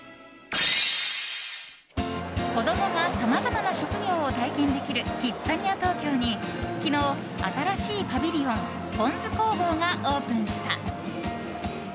子供が、さまざまな職業を体験できるキッザニア東京に昨日、新しいパビリオンぽん酢工房がオープンした。